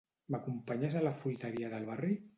M'acompanyes a la fruiteria del barri?